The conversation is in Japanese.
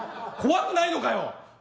怖くないのかよ！？